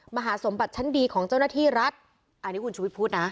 มหาสมบัติชั้นดีของเจ้าหน้าที่รัฐอันนี้คุณชุวิตพูดนะ